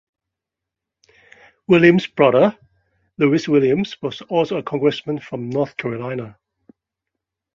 Williams' brother Lewis Williams was also a congressman from North Carolina.